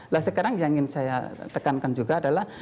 nah sekarang yang ingin saya tekankan juga adalah